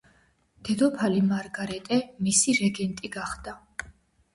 დედოფალი მარგრეტე მისი რეგენტი გახდა.